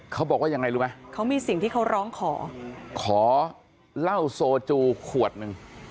เขาบอกว่ายังไงรู้ไหมเขามีสิ่งที่เขาร้องขอขอเหล้าโซจูขวดหนึ่ง